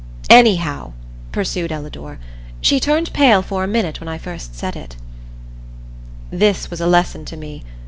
'" "Anyhow," pursued Ellador, "she turned pale for a minute when I first said it." This was a lesson to me.